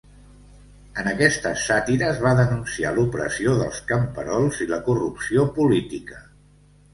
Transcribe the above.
En aquestes sàtires va denunciar l'opressió dels camperols i la corrupció política.